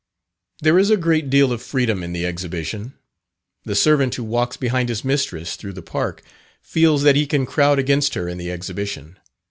There is a great deal of freedom in the Exhibition. The servant who walks behind his mistress through the Park feels that he can crowd against her in the Exhibition.